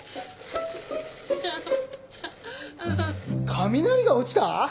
雷が落ちた！？